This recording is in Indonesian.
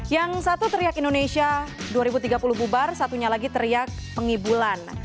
yang satu teriak indonesia dua ribu tiga puluh bubar satunya lagi teriak pengibulan